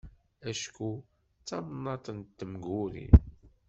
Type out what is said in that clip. Acku d tamnaḍt n temguri.